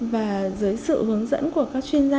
và dưới sự hướng dẫn của các chuyên gia